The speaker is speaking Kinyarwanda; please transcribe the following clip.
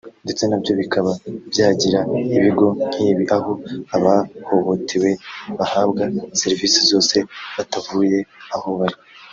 ndetse nabyo bikaba byagira ibigo nk’ibi aho abahohotewe bahabwa serivisi zose batavuye aho bari